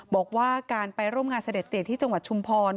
บอกว่าการไปร่วมงานเสด็จเตียที่จังหวัดชุมพร